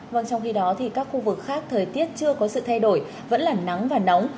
vâng trong khi đó thì các khu vực khác thời tiết chưa có sự thay đổi vẫn là nắng và nóng